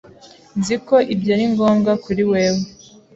Nzi ko ibyo ari ngombwa kuri wewe.